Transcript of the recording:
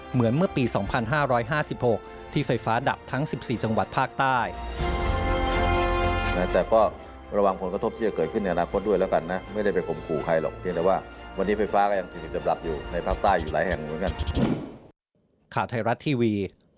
เหมือนเมื่อปี๒๕๕๖ที่ไฟฟ้าดับทั้ง๑๔จังหวัดภาคใต้